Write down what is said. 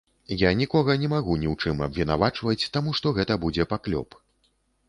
Я нікога не магу ні ў чым абвінавачваць, таму што гэта будзе паклёп.